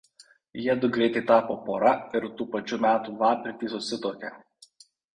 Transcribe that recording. Jiedu greitai tapo pora ir tų pačių metų lapkritį susituokė.